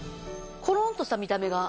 コロンとした見た目が。